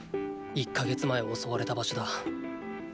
１か月前襲われた場所だ。